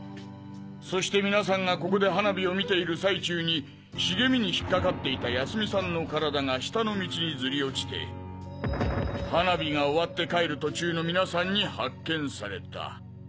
そして皆さんがここで花火を見ている最中に茂みに引っ掛かっていた泰美さんの体が下の道にずり落ちて花火が終わって帰る途中の皆さんに発見された。